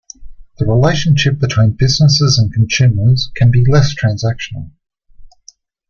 The relationship between businesses and consumers can be less transactional.